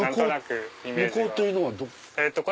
向こうというのはどこ？